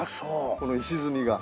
この石積みが。